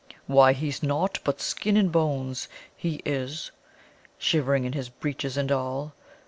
"Why, he's nowt but skin and bone, he is; shivering in his breeches and all.